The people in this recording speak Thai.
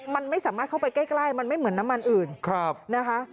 มันไม่สามารถเข้าไปใกล้มันไม่เหมือนน้ำมันอื่นนะคะ